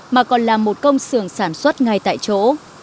mà còn là một công sưởng sản xuất ngay tại chỗ